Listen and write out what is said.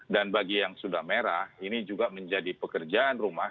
dan bagi yang sudah merah ini juga menjadi pekerjaan rumah